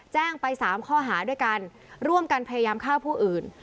แจ้งไป๓ข้อหาด้วยกันร่วมกันพยายามฆ่าผู้อื่น